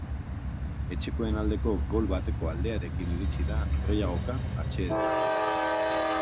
Etxekoen aldeko gol bateko aldearekin iritsi da norgehiagoka atsedenaldira.